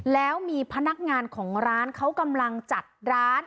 แล้วมีพนักงานของร้านเขากำลังจัดร้าน